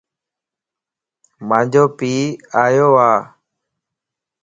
مانجو پي آيو ا